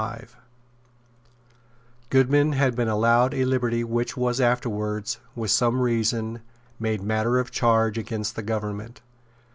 Goodman had been allowed a liberty which was afterwards, with some reason, made matter of charge against the government.